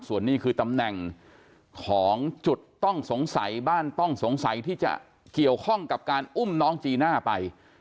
ส่วนนี้คือตำแหน่งของจุดต้องสงสัยบ้านต้องสงสัยที่จะเกี่ยวข้องกับการอุ้มน้องจีน่าไป